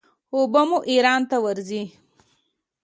اوبه مو ایران ته ورځي.